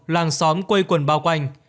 làng xóm quây quần bao quanh